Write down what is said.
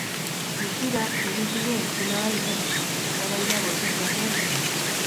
Guztira, hiru tiro entzun ahal izan dira, eztabaida bortitz batean zehar.